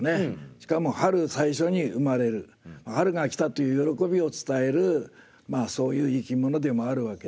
しかも春最初に生まれる春が来たという喜びを伝えるそういう生き物でもあるわけです。